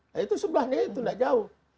nah itu sebelahnya itu tidak jauh